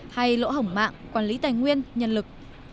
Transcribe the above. hay lỗ hổng mạng quản lý tài nguyên nhân lực